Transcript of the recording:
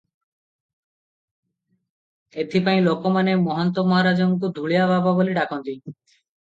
ଏଥିପାଇଁ ଲୋକମାନେ ମହନ୍ତ ମହାରାଜାଙ୍କୁ ଧୂଳିଆ ବାବା ବୋଲି ଡାକନ୍ତି ।